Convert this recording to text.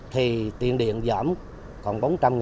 thì tiền điện giảm còn bốn trăm linh